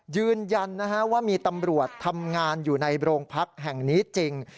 ยืนยันนะฮะว่ามีตำรวจทำงานอยู่ในโรงพักแห่งนี้จริง